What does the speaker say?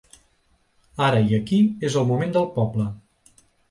Ara i aquí és el moment del poble.